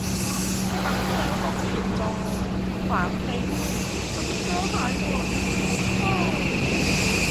ครั้งที่แล้วเขาเปลี่ยนจอ ฝามันไปด้วย สติกเกอร์หายหมด เศร้า